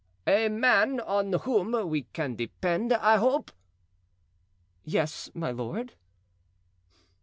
"A man on whom we can depend, I hope." "Yes, my lord."